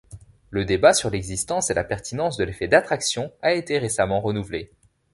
Le débat sur l'existence et la pertinence de l'effet d'attraction a été récemment renouvelé.